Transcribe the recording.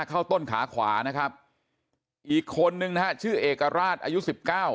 เข้าต้นขาขวานะครับอีกคนนึงนะฮะชื่อเอกราชอายุสิบเก้า